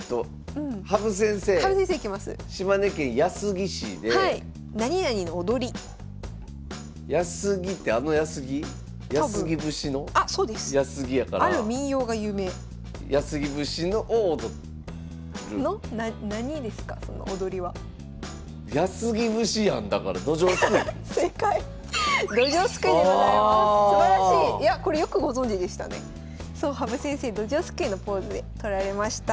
そう羽生先生ドジョウすくいのポーズで撮られました。